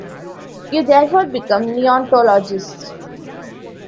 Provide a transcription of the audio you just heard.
You therefore become neontologists.